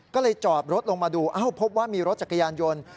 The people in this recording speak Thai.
ก็เลยจอดรถลงมาดูเอ้าพบว่ามีรถจักรยานยนต์